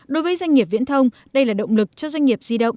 đối với doanh nghiệp viễn thông đây là động lực cho doanh nghiệp di động